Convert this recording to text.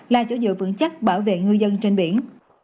là chủ dự vững chắc bảo vệ ngư dân trên biển